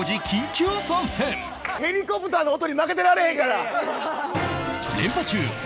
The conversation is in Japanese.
ヘリコプターの音に負けてられへんから。